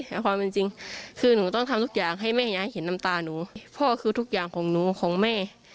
แต่ความเป็นจริงคือหนูต้องทำทุกอย่างให้แม่ยายเห็นน้ำตาหนูพ่อคือทุกอย่างของหนูของแม่